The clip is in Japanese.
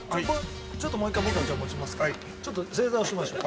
ちょっともう一回僕がじゃあ持ちますからちょっと正座をしましょう。